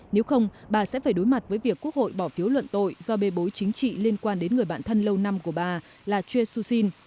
nếu không bà sẽ phải đối mặt với việc quốc hội bỏ phiếu luận tội do bê bối chính trị liên quan đến người bạn thân lâu năm của bà là je suushin